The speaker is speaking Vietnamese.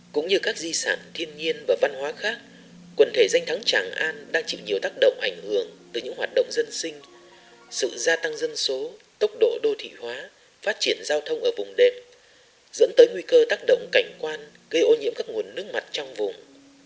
cũng như các di sản thiên nhiên và văn hóa khác quần thể danh thắng tràng an đang chịu nhiều tác động ảnh hưởng từ những hoạt động dân sinh sự gia tăng dân số tốc độ đô thị hóa phát triển giao thông ở vùng đệm dẫn tới nguy cơ tác động cảnh quan gây ô nhiễm các nguồn nước mặt trong vùng